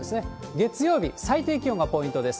月曜日、最低気温がポイントです。